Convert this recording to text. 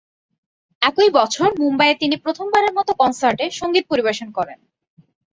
একই বছর মুম্বাইয়ে তিনি প্রথমবারের মত কনসার্টে সঙ্গীত পরিবেশন করেন।